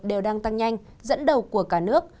đều đang tăng nhanh dẫn đầu của cả nước